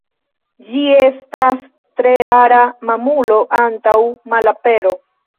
Ĝi estas tre rara mamulo, antaŭ malapero.